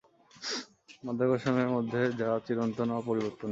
মাধ্যাকর্ষণের মতো যা চিরন্তন অপরিবর্তনীয়।